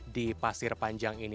di pasir panjang ini